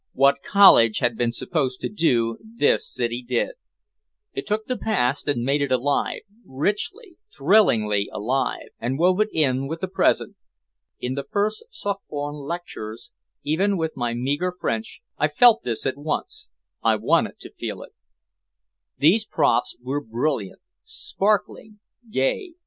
What college had been supposed to do this city did, it took the past and made it alive, richly, thrillingly alive, and wove it in with the present. In the first Sorbonne lectures, even with my meager French, I felt this at once, I wanted to feel it. These profs were brilliant, sparkling, gay.